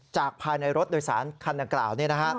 จากภายในรถโดยสารคันกล่าวนี้นะครับ